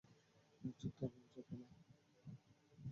চুপ থাক, চোদনা!